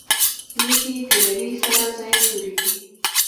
یږي د روي سره زاید توري دي.